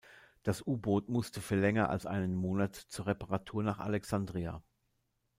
Das U-Boot musste für länger als einen Monat zur Reparatur nach Alexandria.